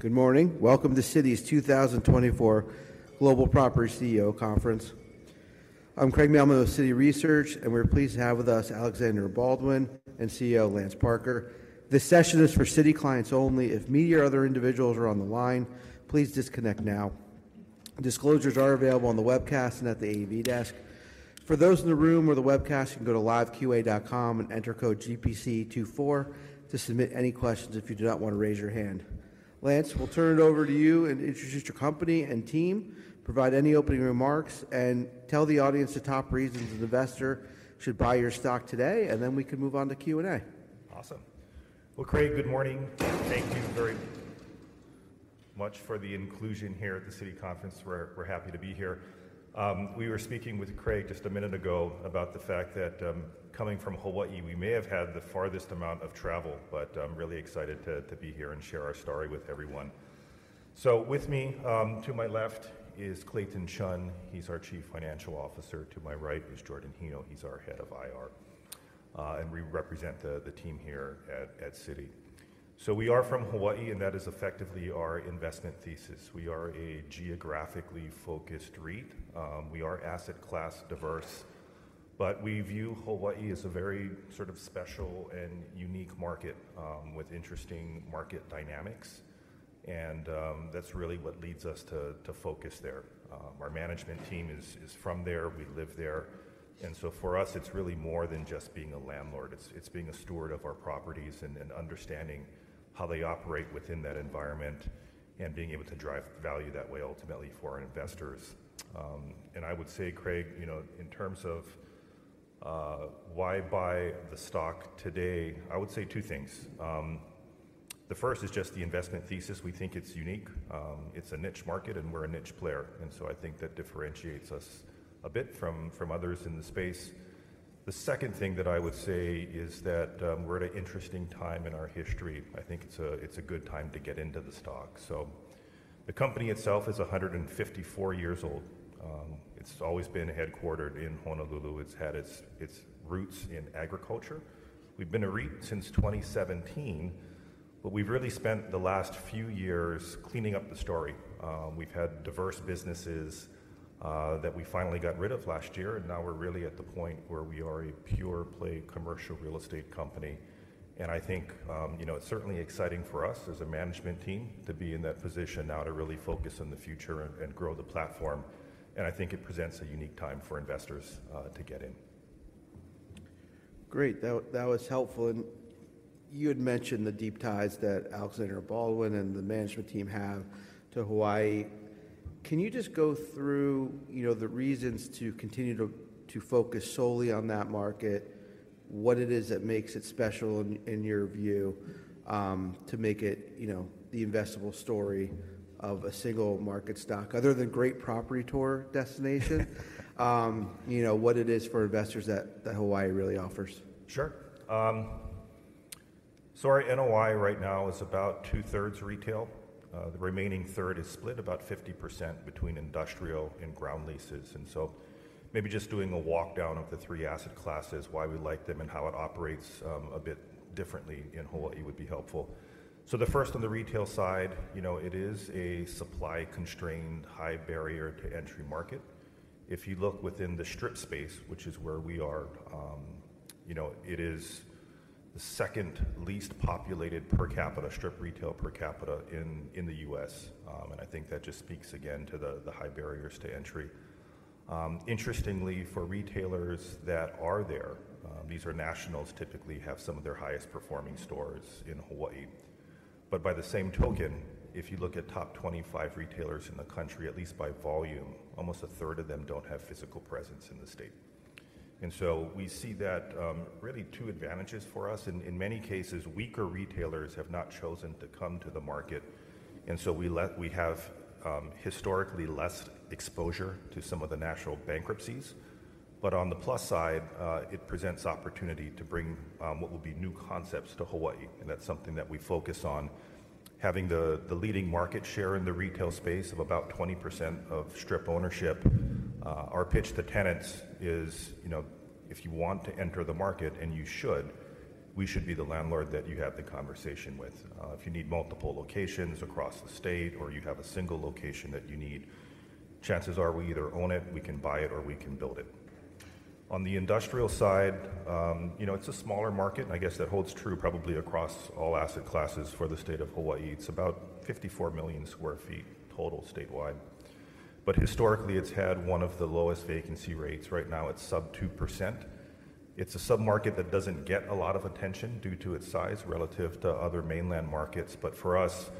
Good morning. Welcome to Citi's 2024 Global Property CEO Conference. I'm Craig Mailman, Citi Research, and we're pleased to have with us Alexander & Baldwin and CEO Lance Parker. This session is for Citi clients only. If me or other individuals are on the line, please disconnect now. Disclosures are available on the webcast and at the AV desk. For those in the room or the webcast, you can go to LiveQA and enter code GPC24 to submit any questions if you do not want to raise your hand. Lance, we'll turn it over to you and introduce your company and team, provide any opening remarks, and tell the audience the top reasons an investor should buy your stock today, and then we can move on to Q&A. Awesome. Well, Craig, good morning. Thank you very much for the inclusion here at the Citi Conference. We're happy to be here. We were speaking with Craig just a minute ago about the fact that coming from Hawaii, we may have had the farthest amount of travel, but I'm really excited to be here and share our story with everyone. So with me to my left is Clayton Chun. He's our Chief Financial Officer. To my right is Jordan Hino. He's our Head of IR, and we represent the team here at Citi. So we are from Hawaii, and that is effectively our investment thesis. We are a geographically focused REIT. We are asset class diverse, but we view Hawaii as a very sort of special and unique market with interesting market dynamics, and that's really what leads us to focus there. Our management team is from there. We live there. And so for us, it's really more than just being a landlord. It's being a steward of our properties and understanding how they operate within that environment and being able to drive value that way ultimately for our investors. And I would say, Craig, in terms of why buy the stock today, I would say two things. The first is just the investment thesis. We think it's unique. It's a niche market, and we're a niche player. And so I think that differentiates us a bit from others in the space. The second thing that I would say is that we're at an interesting time in our history. I think it's a good time to get into the stock. So the company itself is 154 years old. It's always been headquartered in Honolulu. It's had its roots in agriculture. We've been a REIT since 2017, but we've really spent the last few years cleaning up the story. We've had diverse businesses that we finally got rid of last year, and now we're really at the point where we are a pure-play commercial real estate company. I think it's certainly exciting for us as a management team to be in that position now to really focus on the future and grow the platform. I think it presents a unique time for investors to get in. Great. That was helpful. You had mentioned the deep ties that Alexander & Baldwin and the management team have to Hawaii. Can you just go through the reasons to continue to focus solely on that market, what it is that makes it special in your view to make it the investible story of a single market stock? Other than great property tour destination, what it is for investors that Hawaii really offers? Sure. Our NOI right now is about two-thirds retail. The remaining third is split, about 50% between industrial and ground leases. Maybe just doing a walkdown of the three asset classes, why we like them, and how it operates a bit differently in Hawaii would be helpful. The first on the retail side, it is a supply-constrained, high-barrier-to-entry market. If you look within the strip space, which is where we are, it is the second least populated per capita strip retail per capita in the U.S. And I think that just speaks again to the high barriers to entry. Interestingly, for retailers that are there, these are nationals typically have some of their highest performing stores in Hawaii. But by the same token, if you look at top 25 retailers in the country, at least by volume, almost a third of them don't have physical presence in the state. And so we see that really two advantages for us. In many cases, weaker retailers have not chosen to come to the market, and so we have historically less exposure to some of the national bankruptcies. But on the plus side, it presents opportunity to bring what will be new concepts to Hawaii, and that's something that we focus on. Having the leading market share in the retail space of about 20% of strip ownership. Our pitch to tenants is, if you want to enter the market, and you should, we should be the landlord that you have the conversation with. If you need multiple locations across the state or you have a single location that you need, chances are we either own it, we can buy it, or we can build it. On the industrial side, it's a smaller market, and I guess that holds true probably across all asset classes for the state of Hawaii. It's about 54 million sq ft total statewide. But historically, it's had one of the lowest vacancy rates. Right now, it's sub 2%. It's a submarket that doesn't get a lot of attention due to its size relative to other mainland markets. But for us,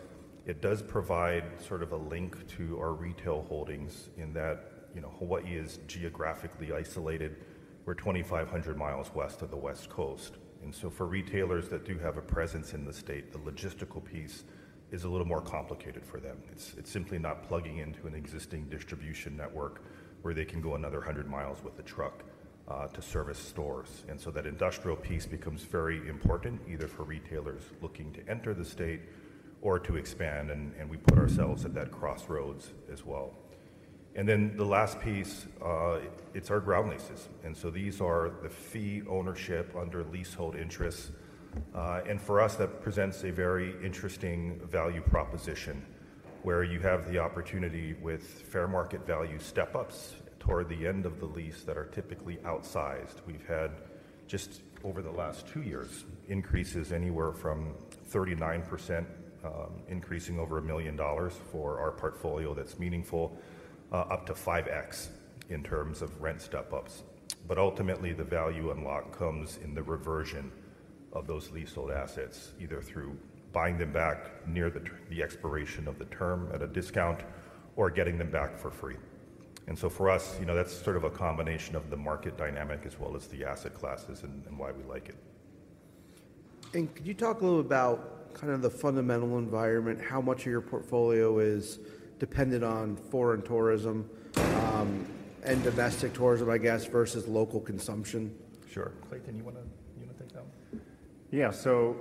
it does provide sort of a link to our retail holdings in that Hawaii is geographically isolated. We're 2,500 miles west of the West Coast. And so for retailers that do have a presence in the state, the logistical piece is a little more complicated for them. It's simply not plugging into an existing distribution network where they can go another 100 miles with a truck to service stores. And so that industrial piece becomes very important either for retailers looking to enter the state or to expand, and we put ourselves at that crossroads as well. And then the last piece, it's our ground leases. And so these are the fee ownership under leasehold interests. And for us, that presents a very interesting value proposition where you have the opportunity with fair market value step-ups toward the end of the lease that are typically outsized. We've had just over the last two years increases anywhere from 39%, increasing over $1 million for our portfolio that's meaningful, up to 5x in terms of rent step-ups. But ultimately, the value unlock comes in the reversion of those leasehold assets, either through buying them back near the expiration of the term at a discount or getting them back for free. And so for us, that's sort of a combination of the market dynamic as well as the asset classes and why we like it. Could you talk a little about kind of the fundamental environment, how much of your portfolio is dependent on foreign tourism and domestic tourism, I guess, versus local consumption? Sure. Clayton, you want to take that one? Yeah. So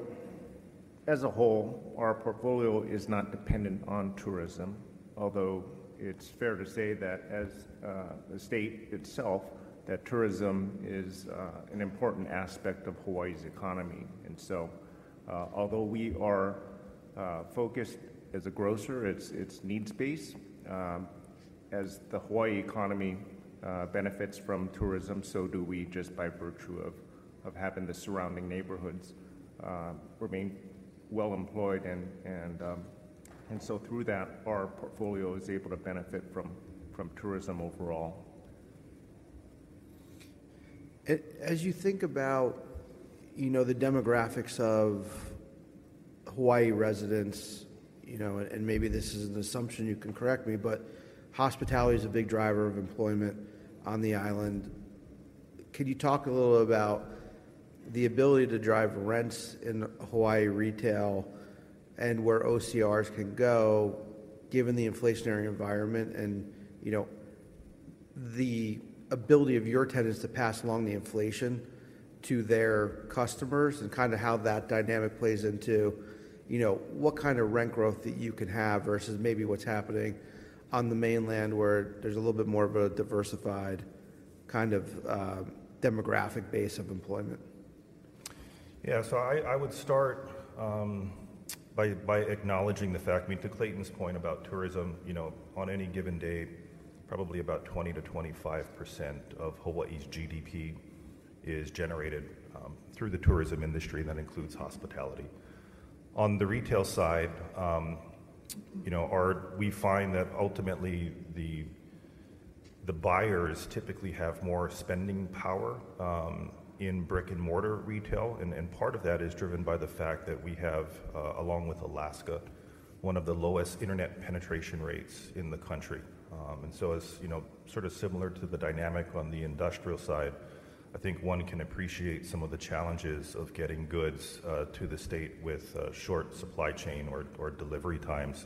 as a whole, our portfolio is not dependent on tourism, although it's fair to say that as a state itself, that tourism is an important aspect of Hawaii's economy. And so although we are focused as a grocer, it's need-based. As the Hawaii economy benefits from tourism, so do we just by virtue of having the surrounding neighborhoods remain well-employed. And so through that, our portfolio is able to benefit from tourism overall. As you think about the demographics of Hawaii residents - and maybe this is an assumption, you can correct me - but hospitality is a big driver of employment on the island. Could you talk a little about the ability to drive rents in Hawaii retail and where OCRs can go given the inflationary environment and the ability of your tenants to pass along the inflation to their customers and kind of how that dynamic plays into what kind of rent growth that you can have versus maybe what's happening on the mainland where there's a little bit more of a diversified kind of demographic base of employment? Yeah. So I would start by acknowledging the fact. I mean, to Clayton's point about tourism, on any given day, probably about 20%-25% of Hawaii's GDP is generated through the tourism industry. That includes hospitality. On the retail side, we find that ultimately the buyers typically have more spending power in brick-and-mortar retail. And part of that is driven by the fact that we have, along with Alaska, one of the lowest internet penetration rates in the country. And so sort of similar to the dynamic on the industrial side, I think one can appreciate some of the challenges of getting goods to the state with short supply chain or delivery times.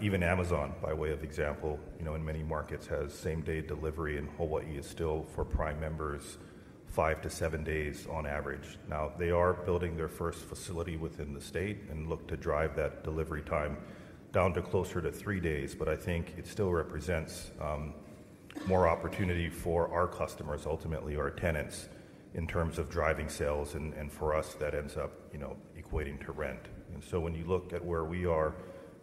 Even Amazon, by way of example, in many markets has same-day delivery, and Hawaii is still, for Prime members, five-seven days on average. Now, they are building their first facility within the state and look to drive that delivery time down to closer to three days. But I think it still represents more opportunity for our customers ultimately, our tenants, in terms of driving sales. And for us, that ends up equating to rent. And so when you look at where we are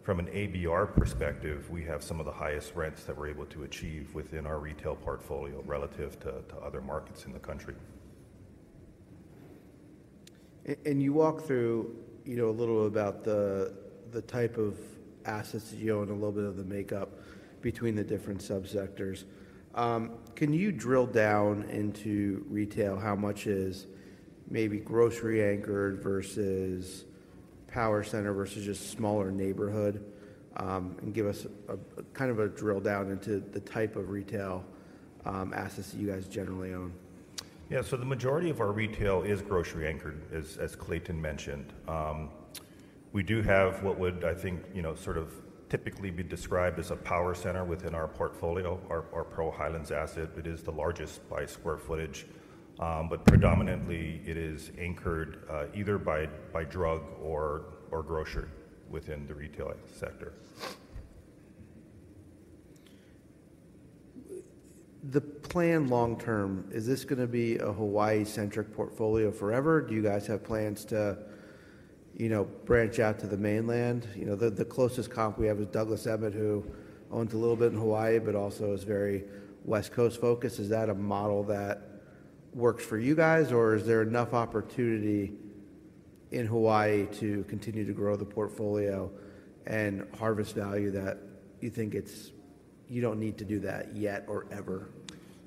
from an ABR perspective, we have some of the highest rents that we're able to achieve within our retail portfolio relative to other markets in the country. You walk through a little about the type of assets that you own and a little bit of the makeup between the different subsectors. Can you drill down into retail, how much is maybe grocery-anchored versus power center versus just smaller neighborhood, and give us kind of a drill down into the type of retail assets that you guys generally own? Yeah. So the majority of our retail is grocery-anchored, as Clayton mentioned. We do have what would, I think, sort of typically be described as a power center within our portfolio, our Pearl Highlands asset. It is the largest by square footage, but predominantly, it is anchored either by drug or grocery within the retail sector. The plan long term, is this going to be a Hawaii-centric portfolio forever? Do you guys have plans to branch out to the mainland? The closest comp we have is Douglas Emmett, who owns a little bit in Hawaii but also is very West Coast-focused. Is that a model that works for you guys, or is there enough opportunity in Hawaii to continue to grow the portfolio and harvest value that you think you don't need to do that yet or ever?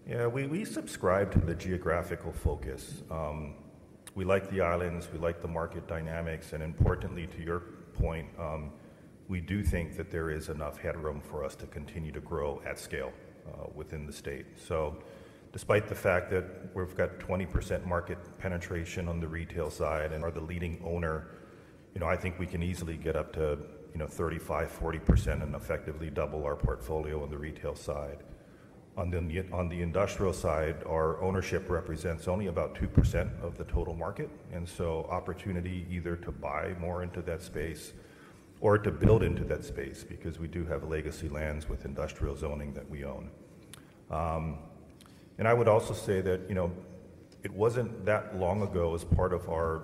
Yeah. We subscribe to the geographical focus. We like the islands. We like the market dynamics. And importantly, to your point, we do think that there is enough headroom for us to continue to grow at scale within the state. So despite the fact that we've got 20% market penetration on the retail side and are the leading owner, I think we can easily get up to 35%-40% and effectively double our portfolio on the retail side. On the industrial side, our ownership represents only about 2% of the total market. And so opportunity either to buy more into that space or to build into that space because we do have legacy lands with industrial zoning that we own. I would also say that it wasn't that long ago as part of our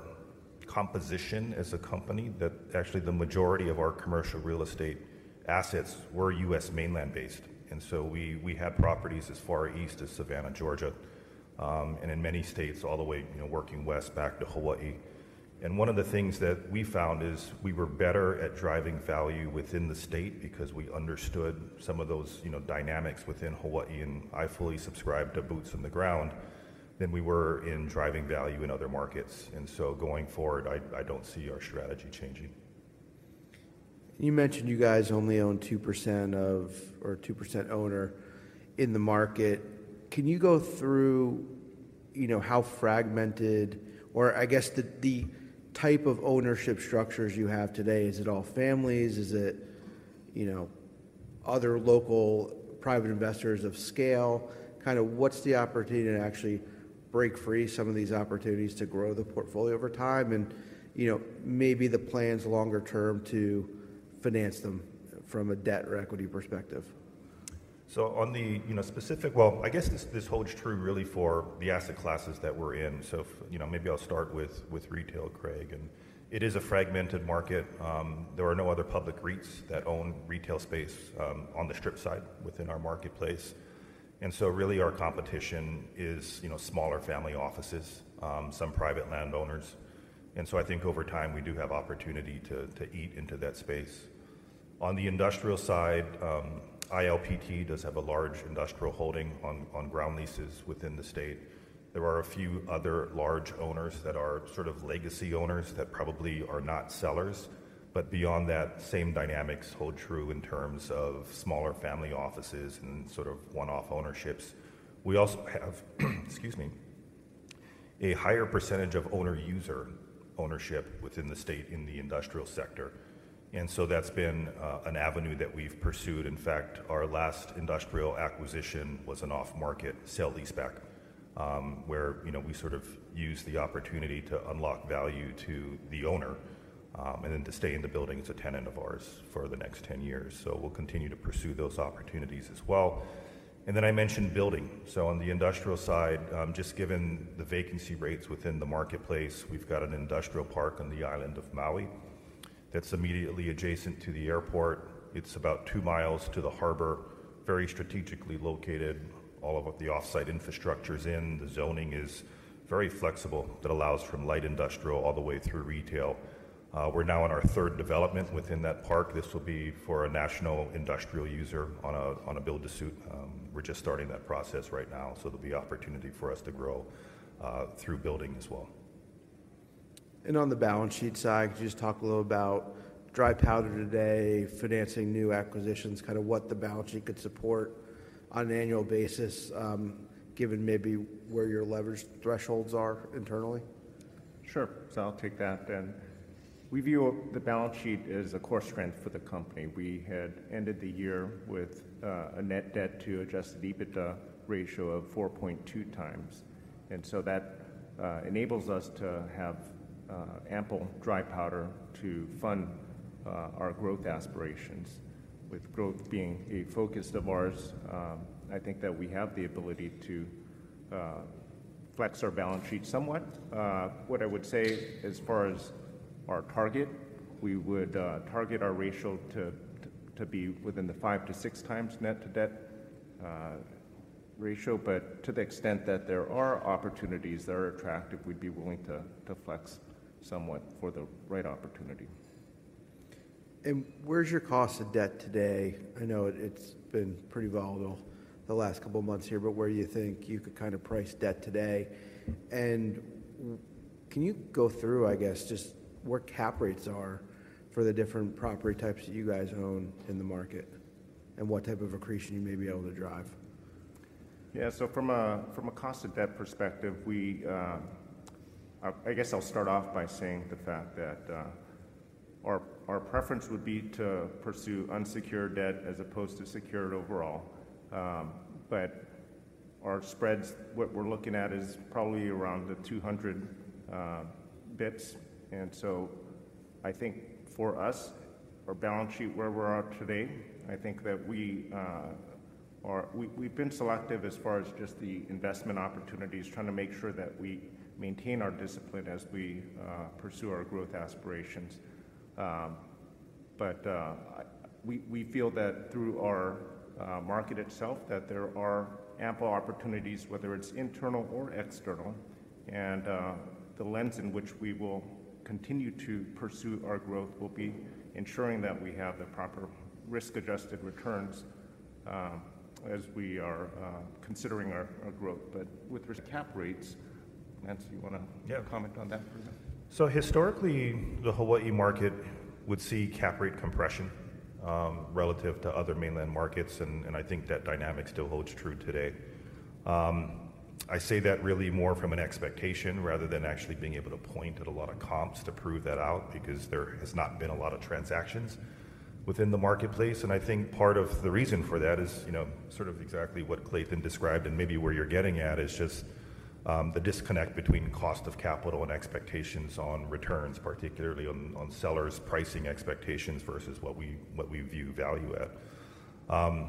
composition as a company that actually the majority of our commercial real estate assets were U.S. mainland-based. So we had properties as far east as Savannah, Georgia, and in many states all the way working west back to Hawaii. One of the things that we found is we were better at driving value within the state because we understood some of those dynamics within Hawaii. I fully subscribe to boots on the ground than we were in driving value in other markets. So going forward, I don't see our strategy changing. You mentioned you guys only own 2% of or 2% owner in the market. Can you go through how fragmented or I guess the type of ownership structures you have today? Is it all families? Is it other local private investors of scale? Kind of what's the opportunity to actually break free some of these opportunities to grow the portfolio over time and maybe the plans longer term to finance them from a debt or equity perspective? So, on the specifics, well, I guess this holds true really for the asset classes that we're in. So maybe I'll start with retail, Craig. And it is a fragmented market. There are no other public REITs that own retail space on the strip side within our marketplace. And so really, our competition is smaller family offices, some private landowners. And so I think over time, we do have opportunity to eat into that space. On the industrial side, ILPT does have a large industrial holding on ground leases within the state. There are a few other large owners that are sort of legacy owners that probably are not sellers. But beyond that, same dynamics hold true in terms of smaller family offices and sort of one-off ownerships. We also have, excuse me, a higher percentage of owner-user ownership within the state in the industrial sector. And so that's been an avenue that we've pursued. In fact, our last industrial acquisition was an off-market sale leaseback where we sort of used the opportunity to unlock value to the owner and then to stay in the building as a tenant of ours for the next 10 years. So we'll continue to pursue those opportunities as well. And then I mentioned building. So on the industrial side, just given the vacancy rates within the marketplace, we've got an industrial park on the island of Maui that's immediately adjacent to the airport. It's about two miles to the harbor, very strategically located. All of the offsite infrastructure is in. The zoning is very flexible. That allows from light industrial all the way through retail. We're now in our third development within that park. This will be for a national industrial user on a build-to-suit. We're just starting that process right now. So there'll be opportunity for us to grow through building as well. On the balance sheet side, could you just talk a little about dry powder today, financing new acquisitions, kind of what the balance sheet could support on an annual basis given maybe where your leverage thresholds are internally? Sure. So I'll take that. And we view the balance sheet as a core strength for the company. We had ended the year with a net debt to Adjusted EBITDA ratio of 4.2x. And so that enables us to have ample dry powder to fund our growth aspirations. With growth being a focus of ours, I think that we have the ability to flex our balance sheet somewhat. What I would say as far as our target, we would target our ratio to be within the 5x-6x net debt ratio. But to the extent that there are opportunities that are attractive, we'd be willing to flex somewhat for the right opportunity. Where's your cost of debt today? I know it's been pretty volatile the last couple of months here, but where do you think you could kind of price debt today? Can you go through, I guess, just what cap rates are for the different property types that you guys own in the market and what type of accretion you may be able to drive? Yeah. So from a cost of debt perspective, I guess I'll start off by saying the fact that our preference would be to pursue unsecured debt as opposed to secured overall. But what we're looking at is probably around the 200 basis points. And so I think for us, our balance sheet, where we're at today, I think that we've been selective as far as just the investment opportunities, trying to make sure that we maintain our discipline as we pursue our growth aspirations. But we feel that through our market itself, that there are ample opportunities, whether it's internal or external. And the lens in which we will continue to pursue our growth will be ensuring that we have the proper risk-adjusted returns as we are considering our growth. But with cap rates, Lance, you want to comment on that for me? So historically, the Hawaii market would see cap rate compression relative to other mainland markets. And I think that dynamic still holds true today. I say that really more from an expectation rather than actually being able to point at a lot of comps to prove that out because there has not been a lot of transactions within the marketplace. And I think part of the reason for that is sort of exactly what Clayton described and maybe where you're getting at is just the disconnect between cost of capital and expectations on returns, particularly on sellers' pricing expectations versus what we view value at.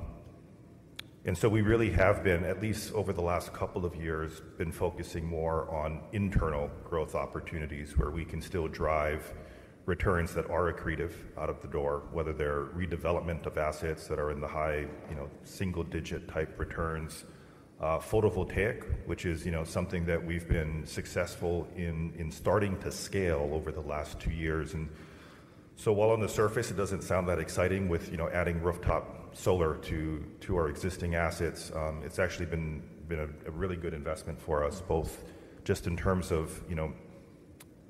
And so we really have been, at least over the last couple of years, been focusing more on internal growth opportunities where we can still drive returns that are accretive out of the door, whether they're redevelopment of assets that are in the high single-digit type returns, photovoltaic, which is something that we've been successful in starting to scale over the last two years. And so while on the surface, it doesn't sound that exciting with adding rooftop solar to our existing assets, it's actually been a really good investment for us both just in terms of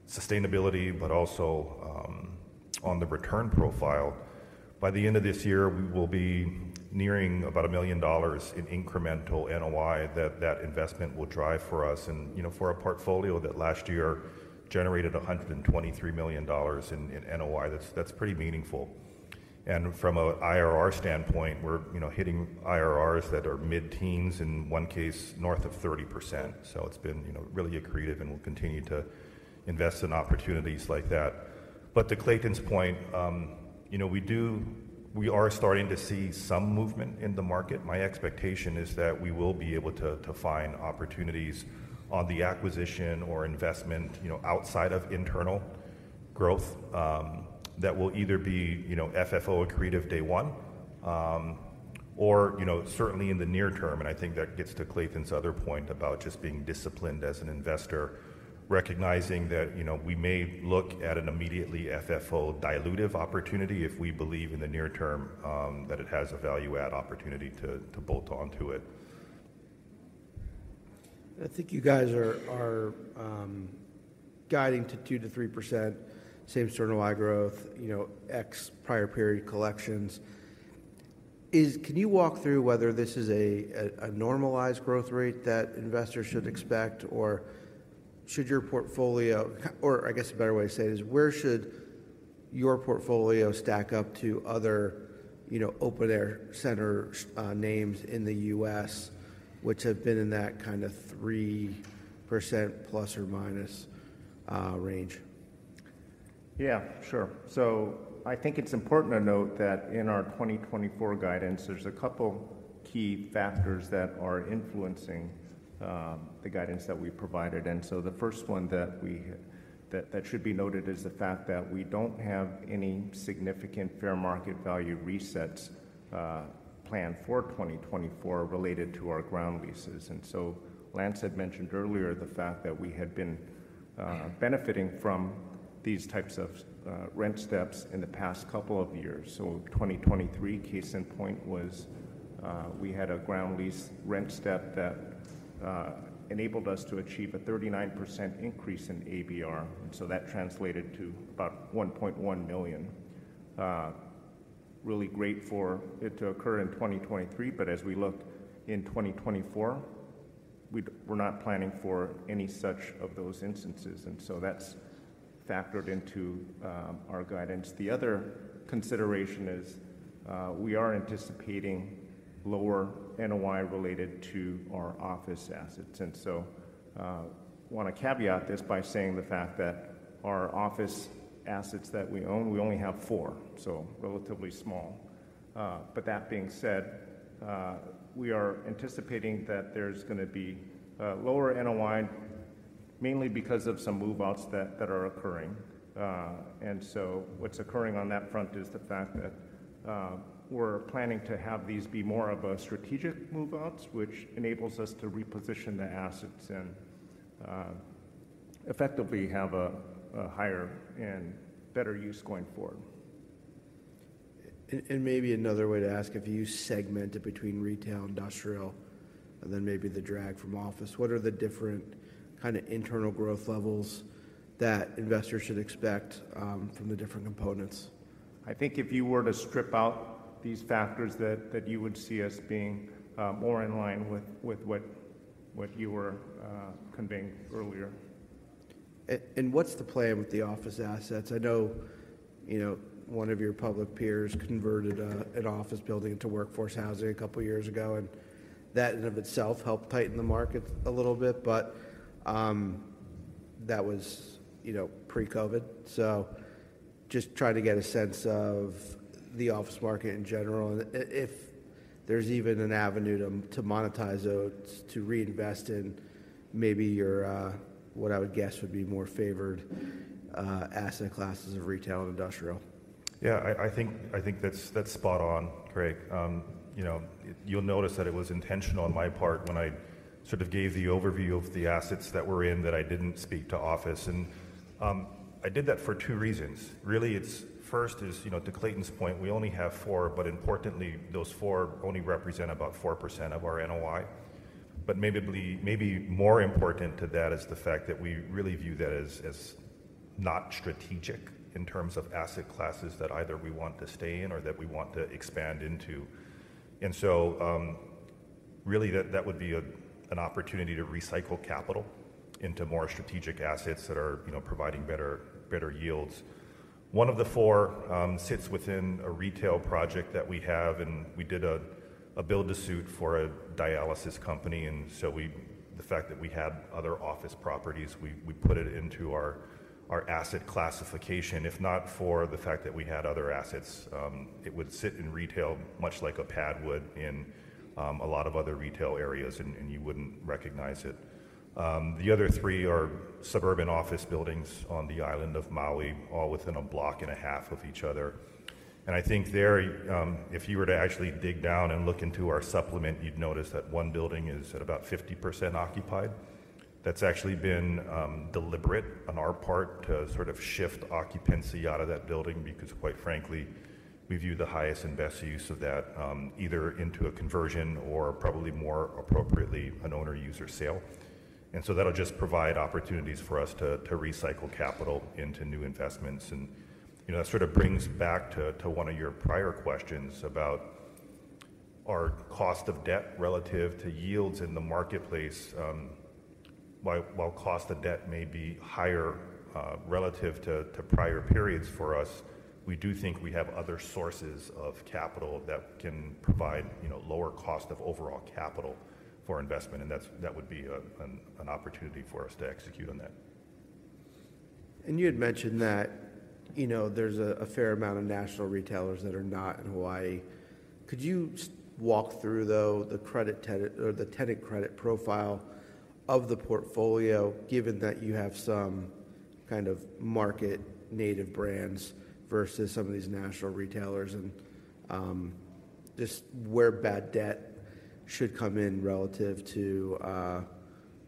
sustainability but also on the return profile. By the end of this year, we will be nearing about $1 million in incremental NOI that that investment will drive for us. And for a portfolio that last year generated $123 million in NOI, that's pretty meaningful. From an IRR standpoint, we're hitting IRRs that are mid-teens, in one case, north of 30%. So it's been really accretive, and we'll continue to invest in opportunities like that. But to Clayton's point, we are starting to see some movement in the market. My expectation is that we will be able to find opportunities on the acquisition or investment outside of internal growth that will either be FFO accretive day one or certainly in the near term. And I think that gets to Clayton's other point about just being disciplined as an investor, recognizing that we may look at an immediately FFO dilutive opportunity if we believe in the near term that it has a value-add opportunity to bolt onto it. I think you guys are guiding to 2%-3% same-store NOI growth, ex-prior period collections. Can you walk through whether this is a normalized growth rate that investors should expect, or should your portfolio or I guess a better way to say it is, where should your portfolio stack up to other open-air center names in the U.S. which have been in that kind of 3% plus or minus range? Yeah. Sure. So I think it's important to note that in our 2024 guidance, there's a couple key factors that are influencing the guidance that we provided. And so the first one that should be noted is the fact that we don't have any significant fair market value resets planned for 2024 related to our ground leases. And so Lance had mentioned earlier the fact that we had been benefiting from these types of rent steps in the past couple of years. So 2023, case in point, was we had a ground lease rent step that enabled us to achieve a 39% increase in ABR. And so that translated to about $1.1 million. Really great for it to occur in 2023. But as we look in 2024, we're not planning for any such of those instances. And so that's factored into our guidance. The other consideration is we are anticipating lower NOI related to our office assets. And so I want to caveat this by saying the fact that our office assets that we own, we only have four, so relatively small. But that being said, we are anticipating that there's going to be lower NOI mainly because of some move-outs that are occurring. And so what's occurring on that front is the fact that we're planning to have these be more of strategic move-outs, which enables us to reposition the assets and effectively have a higher and better use going forward. Maybe another way to ask, if you segment it between retail and industrial, and then maybe the drag from office, what are the different kind of internal growth levels that investors should expect from the different components? I think if you were to strip out these factors, that you would see us being more in line with what you were conveying earlier. What's the play with the office assets? I know one of your public peers converted an office building into workforce housing a couple of years ago. That in and of itself helped tighten the market a little bit. But that was pre-COVID. Just trying to get a sense of the office market in general. If there's even an avenue to monetize those, to reinvest in maybe your, what I would guess would be more favored, asset classes of retail and industrial. Yeah. I think that's spot on, Craig. You'll notice that it was intentional on my part when I sort of gave the overview of the assets that were in that I didn't speak to office. And I did that for two reasons. Really, first is, to Clayton's point, we only have four. But importantly, those four only represent about 4% of our NOI. But maybe more important to that is the fact that we really view that as not strategic in terms of asset classes that either we want to stay in or that we want to expand into. And so really, that would be an opportunity to recycle capital into more strategic assets that are providing better yields. One of the four sits within a retail project that we have. And we did a build-to-suit for a dialysis company. And so the fact that we had other office properties, we put it into our asset classification. If not for the fact that we had other assets, it would sit in retail much like a pad would in a lot of other retail areas, and you wouldn't recognize it. The other three are suburban office buildings on the island of Maui, all within a block and a half of each other. I think there, if you were to actually dig down and look into our supplement, you'd notice that one building is at about 50% occupied. That's actually been deliberate on our part to sort of shift occupancy out of that building because, quite frankly, we view the highest and best use of that either into a conversion or, probably more appropriately, an owner-user sale. And so that'll just provide opportunities for us to recycle capital into new investments. And that sort of brings back to one of your prior questions about our cost of debt relative to yields in the marketplace. While cost of debt may be higher relative to prior periods for us, we do think we have other sources of capital that can provide lower cost of overall capital for investment. And that would be an opportunity for us to execute on that. You had mentioned that there's a fair amount of national retailers that are not in Hawaii. Could you walk through, though, the tenant credit profile of the portfolio, given that you have some kind of market-native brands versus some of these national retailers, and just where bad debt should come in relative to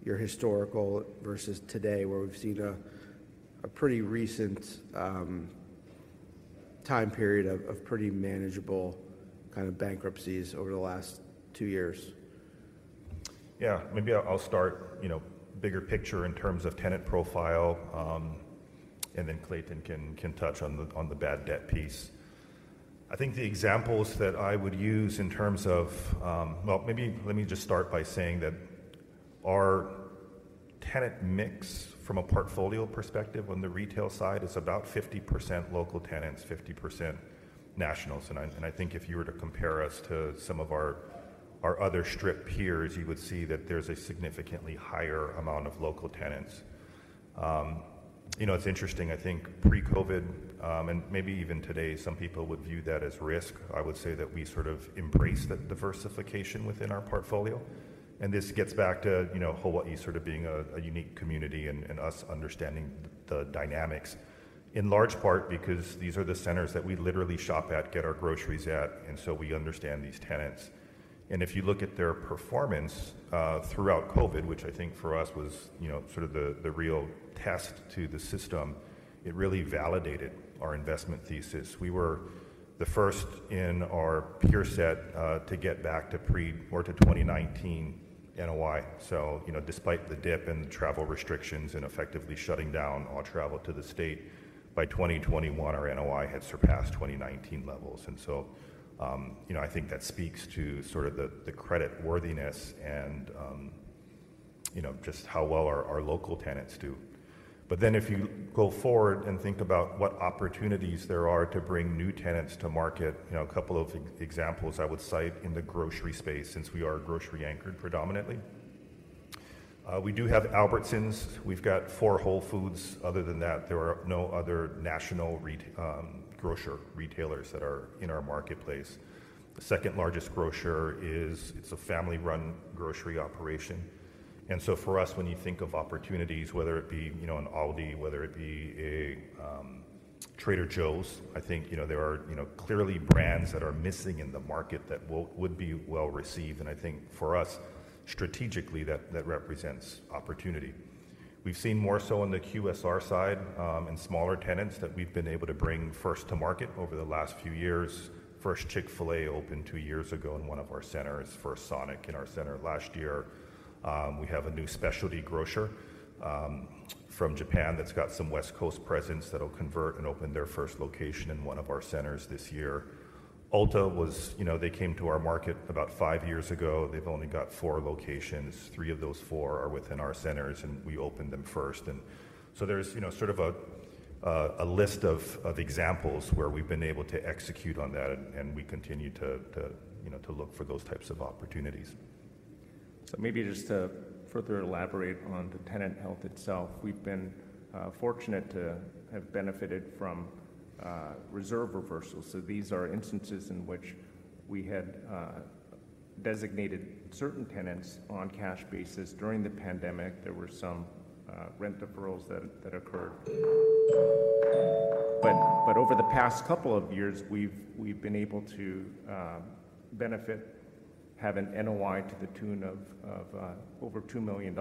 your historical versus today, where we've seen a pretty recent time period of pretty manageable kind of bankruptcies over the last two years? Yeah. Maybe I'll start bigger picture in terms of tenant profile, and then Clayton can touch on the bad debt piece. I think the examples that I would use in terms of well, maybe let me just start by saying that our tenant mix, from a portfolio perspective on the retail side, is about 50% local tenants, 50% nationals. And I think if you were to compare us to some of our other strip peers, you would see that there's a significantly higher amount of local tenants. It's interesting. I think pre-COVID and maybe even today, some people would view that as risk. I would say that we sort of embrace the diversification within our portfolio. This gets back to Hawaii sort of being a unique community and us understanding the dynamics, in large part because these are the centers that we literally shop at, get our groceries at. So we understand these tenants. If you look at their performance throughout COVID, which I think for us was sort of the real test to the system, it really validated our investment thesis. We were the first in our peer set to get back to pre or to 2019 NOI. Despite the dip and the travel restrictions and effectively shutting down all travel to the state, by 2021, our NOI had surpassed 2019 levels. I think that speaks to sort of the creditworthiness and just how well our local tenants do. But then if you go forward and think about what opportunities there are to bring new tenants to market, a couple of examples I would cite in the grocery space, since we are grocery-anchored predominantly, we do have Albertsons. We've got four Whole Foods. Other than that, there are no other national grocer retailers that are in our marketplace. The second-largest grocer is it's a family-run grocery operation. And so for us, when you think of opportunities, whether it be an Aldi, whether it be a Trader Joe's, I think there are clearly brands that are missing in the market that would be well received. And I think for us, strategically, that represents opportunity. We've seen more so on the QSR side in smaller tenants that we've been able to bring first to market over the last few years. First Chick-fil-A opened two years ago in one of our centers. First Sonic in our center last year. We have a new specialty grocer from Japan that's got some West Coast presence that'll convert and open their first location in one of our centers this year. Ulta, they came to our market about five years ago. They've only got four locations. Three of those four are within our centers, and we opened them first. And so there's sort of a list of examples where we've been able to execute on that, and we continue to look for those types of opportunities. So maybe just to further elaborate on the tenant health itself, we've been fortunate to have benefited from reserve reversals. So these are instances in which we had designated certain tenants on cash basis. During the pandemic, there were some rent deferrals that occurred. But over the past couple of years, we've been able to benefit, have an NOI to the tune of over $2 million.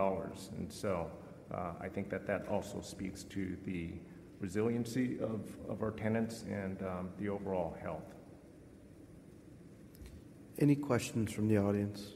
And so I think that that also speaks to the resiliency of our tenants and the overall health. Any questions from the audience?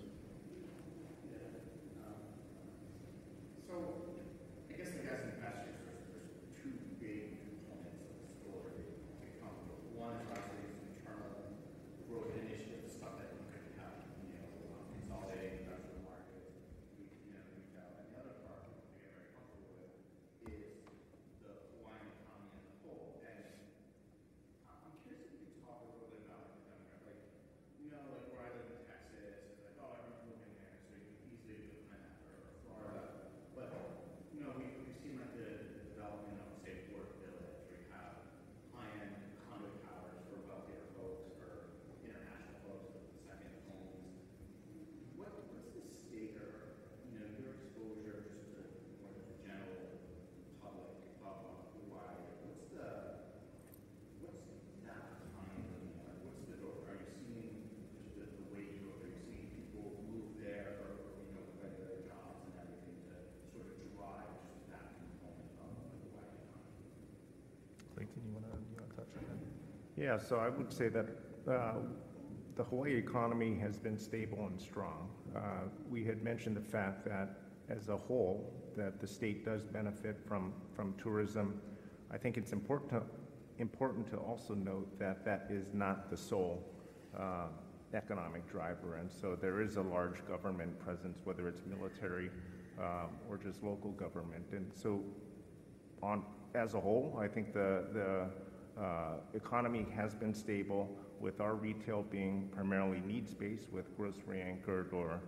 economy has been stable, with our retail being primarily needs-based, with grocery-anchored or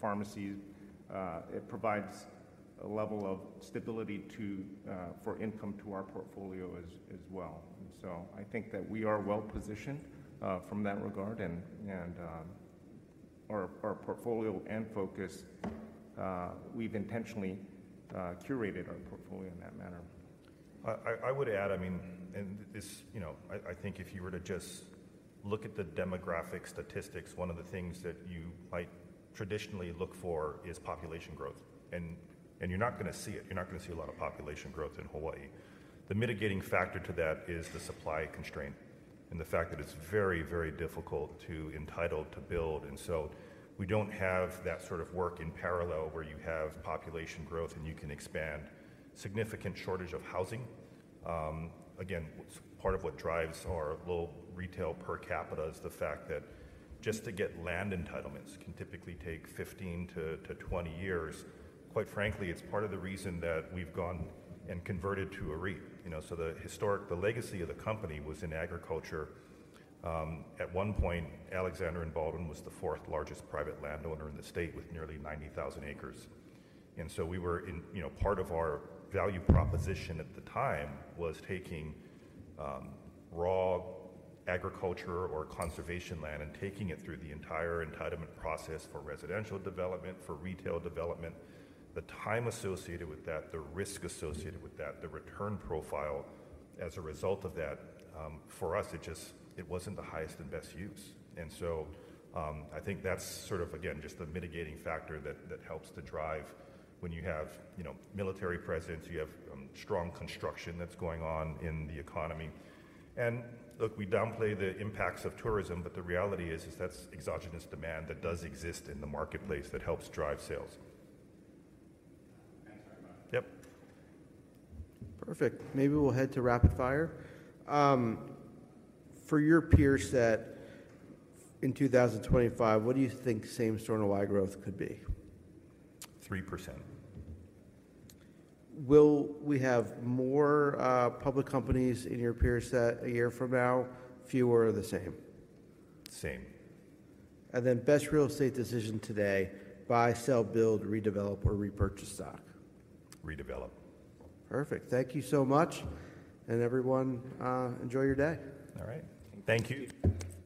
pharmacies. It provides a level of stability for income to our portfolio as well. And so I think that we are well positioned from that regard. And our portfolio and focus, we've intentionally curated our portfolio in that manner. I would add, I mean, and this, I think if you were to just look at the demographic statistics, one of the things that you might traditionally look for is population growth. And you're not going to see it. You're not going to see a lot of population growth in Hawaii. The mitigating factor to that is the supply constraint and the fact that it's very, very difficult to entitle to build. And so we don't have that sort of work in parallel where you have population growth, and you can expand. Significant shortage of housing. Again, part of what drives our low retail per capita is the fact that just to get land entitlements can typically take 15-20 years. Quite frankly, it's part of the reason that we've gone and converted to REIT. So the legacy of the company was in agriculture. At one point, Alexander & Baldwin was the fourth largest private landowner in the state with nearly 90,000 acres. And so we were in part of our value proposition at the time was taking raw agriculture or conservation land and taking it through the entire entitlement process for residential development, for retail development. The time associated with that, the risk associated with that, the return profile as a result of that, for us, it wasn't the highest and best use. And so I think that's sort of, again, just the mitigating factor that helps to drive when you have military presence, you have strong construction that's going on in the economy. And look, we downplay the impacts of tourism. But the reality is that's exogenous demand that does exist in the marketplace that helps drive sales. I'm sorry about that. Yep. Perfect. Maybe we'll head to rapid fire. For your peer set in 2025, what do you think same-store NOI growth could be? 3%. Will we have more public companies in your peer set a year from now, fewer, or the same? Same. Then best real estate decision today: buy, sell, build, redevelop, or repurchase stock? Redevelop. Perfect. Thank you so much. And everyone, enjoy your day. All right. Thank you.